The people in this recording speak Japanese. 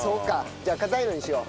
じゃあ硬いのにしよう。